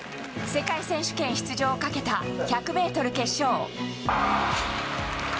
世界選手権出場をかけた１００メートル決勝。